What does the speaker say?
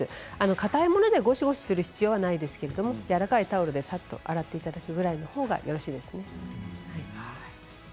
かたいものでゴシゴシする必要はないですがやわらかいタオルで洗っていただくほうがよろしいですね。